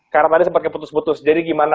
karena tadi sempat keputus putus jadi gimana